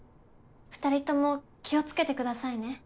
２人とも気を付けてくださいね。